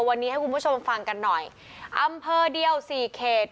วันนี้ให้คุณผู้ชมฟังกันหน่อยอำเภอเดียวสี่เขต